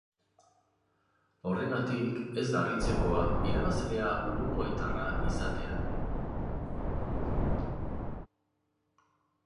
Horregatik, ez da harritzekoa irabazlea uruguaitarra izatea.